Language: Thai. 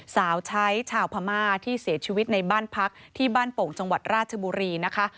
สาวใช้ชาวพม่าที่เสียชีวิตในบ้านพักที่บ้านโป่งจังหวัดราชบุรีนะคะ